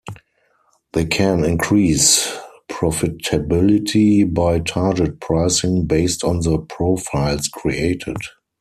They can increase profitability by target pricing based on the profiles created.